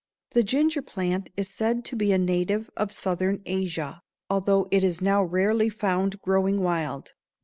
The ginger plant is said to be a native of southern Asia, although it is now rarely found growing wild.